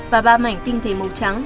và ba mảnh tinh thể màu trắng